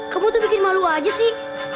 kamu tuh bikin malu aja sih